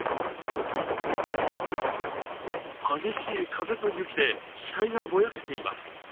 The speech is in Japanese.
激しい風と雪で視界がぼやけています。